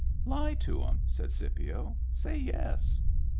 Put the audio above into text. "Lie to 'em," said Scipio. "Say yes."